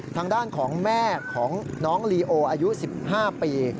ทางด้านของแม่ของน้องลีโออายุ๑๕ปี